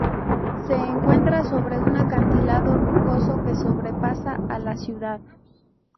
Se encuentra sobre un acantilado rocoso que sobrepasa a la ciudad.